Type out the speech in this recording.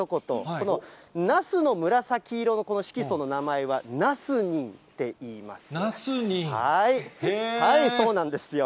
このナスの紫色のこの色素の名前はナスニンっていいます。